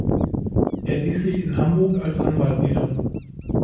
Er ließ sich in Hamburg als Anwalt nieder.